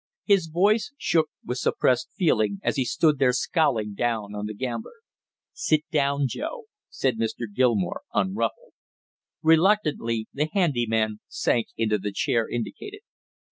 His voice shook with suppressed feeling, as he stood there scowling down on the gambler. "Sit down, Joe!" said Mr. Gilmore, unruffled. Reluctantly the handy man sank into the chair indicated.